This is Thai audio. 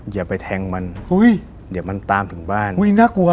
อย่าไปแทงมันเดี๋ยวมันตามถึงบ้าน